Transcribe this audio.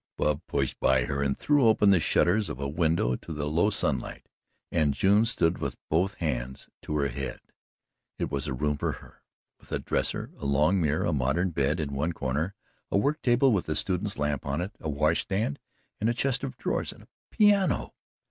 Bub pushed by her and threw open the shutters of a window to the low sunlight, and June stood with both hands to her head. It was a room for her with a dresser, a long mirror, a modern bed in one corner, a work table with a student's lamp on it, a wash stand and a chest of drawers and a piano!